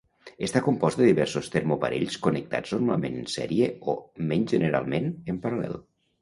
Està compost de diversos termoparells connectats normalment en sèrie o, menys generalment, en paral·lel.